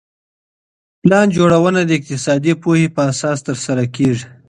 پلان جوړونه د اقتصادي پوهي په اساس ترسره کيږي.